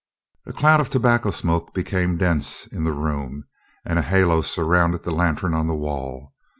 A cloud of tobacco smoke became dense in the room, and a halo surrounded the lantern on the wall.